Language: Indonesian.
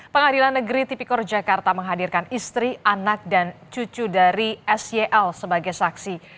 pengadilan negeri tipikor jakarta menghadirkan istri anak dan cucu dari syl sebagai saksi